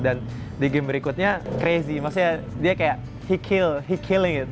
dan di game berikutnya crazy maksudnya dia kayak he kill he killing it